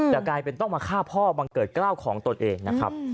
แต่กลายเป็นต้องมาฆ่าพ่อบังเกิดกล้าวของตนเองนะครับ